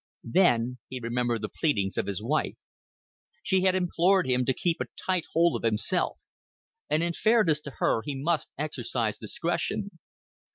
Then he remembered the pleadings of his wife. She had implored him to keep a tight hold of himself; and in fairness to her he must exercise discretion.